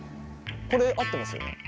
これ合ってますよね？